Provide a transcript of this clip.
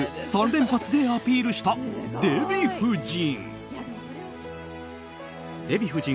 ３連発でアピールしたデヴィ夫人。